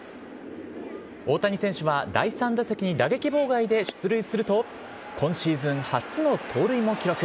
大谷選手は第３打席に打撃妨害で出塁すると今シーズン初の盗塁も記録。